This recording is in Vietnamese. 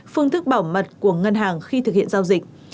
phương thức bảo mật của ngân hàng khi thực hiện giao dịch